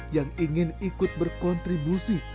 yang ingin ikut berkontribusi